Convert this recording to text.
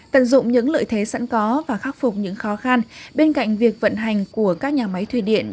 tận dụng những lợi thế sẵn có và khắc phục những khó khăn bên cạnh việc vận hành của các nhà máy thủy điện